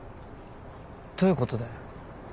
どういうことだよ？